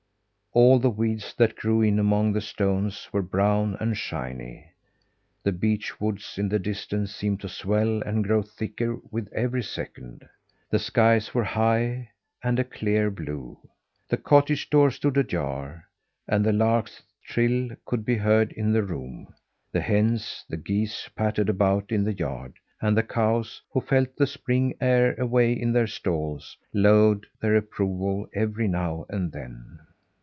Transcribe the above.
All the weeds that grew in among the stones were brown and shiny. The beech woods in the distance seemed to swell and grow thicker with every second. The skies were high and a clear blue. The cottage door stood ajar, and the lark's trill could be heard in the room. The hens and geese pattered about in the yard, and the cows, who felt the spring air away in their stalls, lowed their approval every now and then.